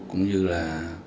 cũng như là